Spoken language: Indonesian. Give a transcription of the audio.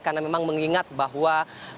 karena memang mengingat bahwa